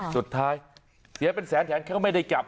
สุดท้ายเสียเป็นแสนแถมแค่ว่าไม่ได้กลับ